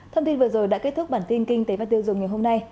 thông tin vừa rồi đã kết thúc bản tin kinh tế và tiêu dùng ngày hôm nay